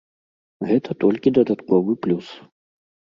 Гэта толькі дадатковы плюс.